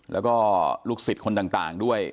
แล้วก็ลูกศิษย์คนต่างด้วย